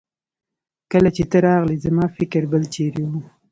کله چې ته راغلې زما فکر بل چيرې وه.